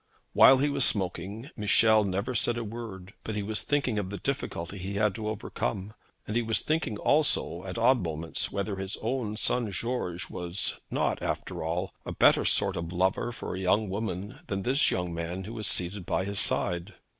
While he was smoking, Michel said never a word. But he was thinking of the difficulty he had to overcome; and he was thinking also, at odd moments, whether his own son George was not, after all, a better sort of lover for a young woman than this young man who was seated by his side.